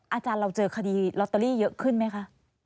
อาจารย์เราเจอคดีลอตเตอรี่เยอะขึ้นไหมคะ